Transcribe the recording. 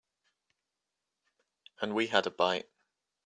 And we had a bite.